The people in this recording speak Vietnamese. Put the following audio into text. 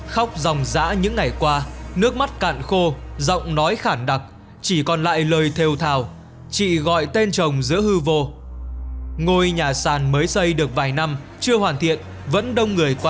khóc dòng dã những ngày qua nước mắt cạn khô giọng nói khản đặc chỉ còn lại lời theo thào chị gọi tên chồng giữa hư vô